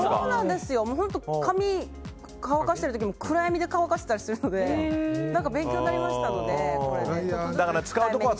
髪を乾かしてる時も暗闇で乾かしていたりするので勉強になりましたので、これで。